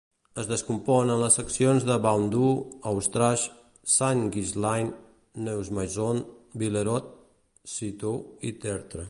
Es descompon en les seccions de Baudour, Hautrage, Saint-Ghislain, Neugmaison, Villerot, Sirault i Tertre.